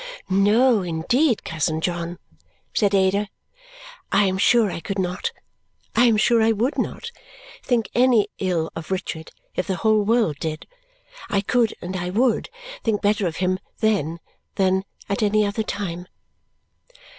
"No, indeed, cousin John," said Ada, "I am sure I could not I am sure I would not think any ill of Richard if the whole world did. I could, and I would, think better of him then than at any other time!"